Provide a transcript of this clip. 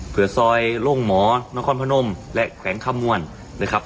เพื่อซอยโล่งหมอนครพนมและแขวงคำมวลนะครับ